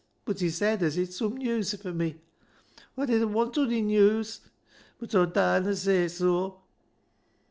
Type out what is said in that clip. But he said as he'd some news fur me. Aw didn't want ony news, but Aw darrna say so.